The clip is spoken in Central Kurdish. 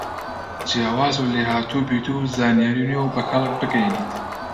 جیاواز و لێهاتووبیت و زانیاری نوێ و بە کەڵک بگەیەنیت